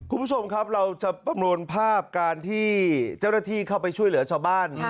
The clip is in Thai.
คุณผู้ชมครับเราจะประมวลภาพการที่เจ้าหน้าที่เข้าไปช่วยเหลือชาวบ้าน